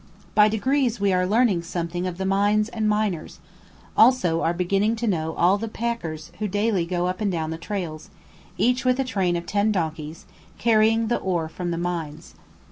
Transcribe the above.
By degrees we are learning something of the mines and miners; also are beginning to know all the packers who daily go up and down the trails, each with a train of ten donkeys carrying the ore from the mines.